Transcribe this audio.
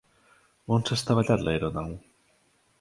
On s'ha estavellat l'aeronau?